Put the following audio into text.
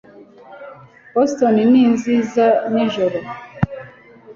boston ni nziza nijoro